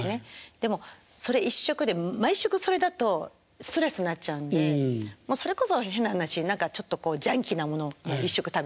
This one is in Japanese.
でもそれ一色で毎食それだとストレスになっちゃうんでもうそれこそ変な話何かちょっとジャンキーなものを１食食べたりとか。